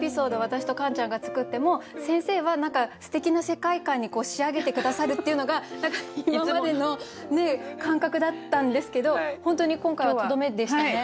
私とカンちゃんが作っても先生は何かすてきな世界観に仕上げて下さるっていうのが今までの感覚だったんですけど本当に今回はとどめでしたね。